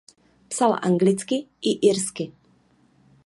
Psal anglicky i irsky.